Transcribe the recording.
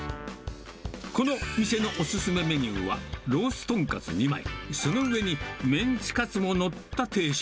この店のお勧めメニューは、ロースとんかつ２枚、その上に、メンチカツも載った定食。